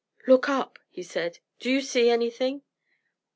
"Look up," he said. "Do you see anything?